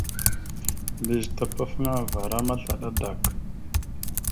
Mbiyez tapafaŋva ara maslaɗa adak.